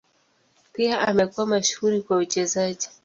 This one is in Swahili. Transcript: Pia amekuwa mashuhuri kwa uchezaji.